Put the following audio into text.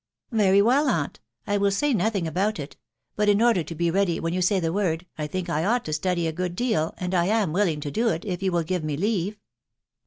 " Very well, aunt .... I will say nothing about it But in order to be ready when you say the word, I think I ought to study a good deal, and I am willing to do it if you will give me leave."